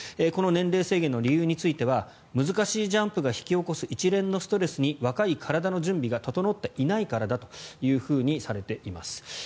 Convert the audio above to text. この年齢制限の理由については難しいジャンプが引き起こす一連のストレスに若い体の準備が整っていないからだというふうにされています。